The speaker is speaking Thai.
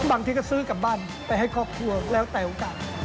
บางทีก็ซื้อกลับบ้านไปให้ครอบครัวแล้วแต่โอกาส